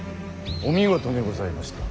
お見事でございました。